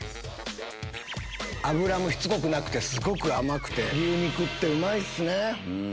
脂もしつこくなくてすごく甘くて牛肉ってうまいっすね。